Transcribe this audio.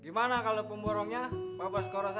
gimana kalau pemborongnya bapak skoros saja